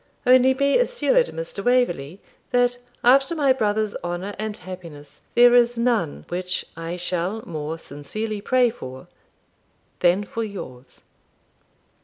Only be assured, Mr. Waverley, that, after my brother's honour and happiness, there is none which I shall more sincerely pray for than for yours.'